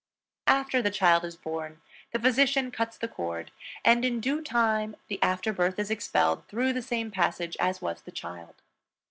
After the child is born, the physician cuts the cord, and in due time the after birth is expelled through the same passage as was the child.